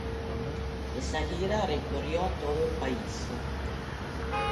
Esta gira recorrió todo el país.